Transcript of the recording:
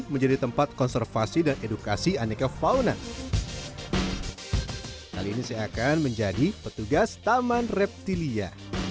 menjadi tempat konservasi dan edukasi aneka fauna kali ini saya akan menjadi petugas taman reptilia